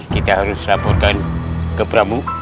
kita harus laporkan ke pramu